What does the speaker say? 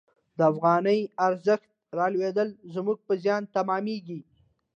د افغانۍ ارزښت رالوېدل زموږ په زیان تمامیږي.